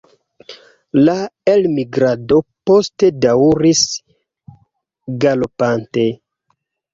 La elmigrado poste daŭris galopante.